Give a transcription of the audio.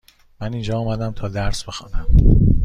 من اینجا آمدم تا درس بخوانم.